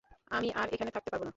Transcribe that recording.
আমি আর এখানে থাকতে পারব না।